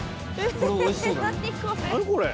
え何これ。